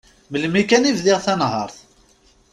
Melmi kan i bdiɣ tanhert.